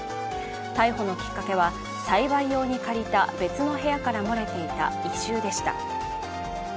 逮捕のきっかけは、栽培用に借りた別の部屋から漏れていた異臭でした。